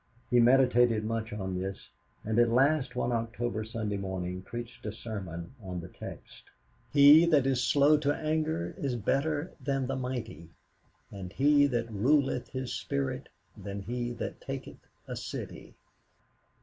He meditated much on this, and at last one October Sunday morning preached a sermon on the text: "He that is slow to anger is better than the mighty. And he that ruleth his spirit than he that taketh a city."